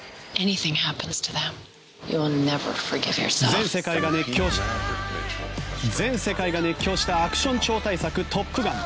全世界が熱狂したアクション超大作「トップガン」